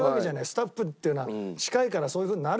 スタッフっていうのは近いからそういうふうになるじゃない。